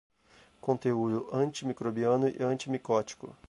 Conteúdo antimicrobiano e antimicótico